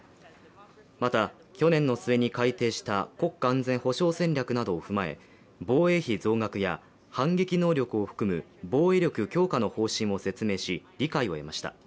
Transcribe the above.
また、去年の末に改定した国家安全保障戦略などを踏まえ防衛費増額や反撃能力を含む防衛力強化の方針を説明し理解を得ました。